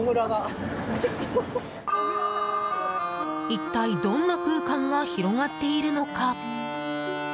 一体どんな空間が広がっているのか。